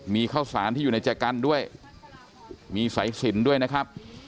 มีข้าวสารที่อยู่ในใจกันด้วยมีสายสินด้วยนะครับ